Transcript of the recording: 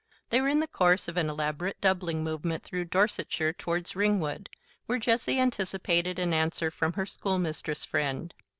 They were in the course of an elaborate doubling movement through Dorsetshire towards Ringwood, where Jessie anticipated an answer from her schoolmistress friend.